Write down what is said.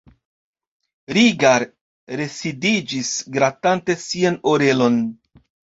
Rigar residiĝis gratante sian orelon.